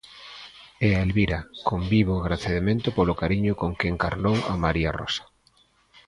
E A Elvira, con vivo agradecemento polo cariño con que encarnou a María Rosa.